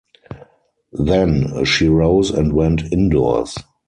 Then she rose and went indoors.